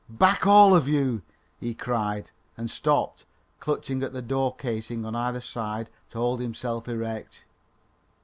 "Back! all of you!" he cried, and stopped, clutching at the door casing on either side to hold himself erect.